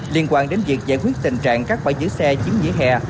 liên quan đến việc giải quyết tình trạng các bãi giữ xe chiếm vỉa hè